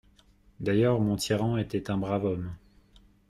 D'ailleurs mon tyran était un brave homme.